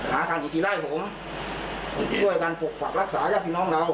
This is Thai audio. หาทางอิทธิไล่ผมด้วยการปกปรักรักษายักษ์พี่น้องเรา